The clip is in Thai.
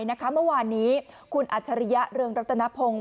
เมื่อวานนี้คุณอัจฉริยะเรืองรัตนพงศ์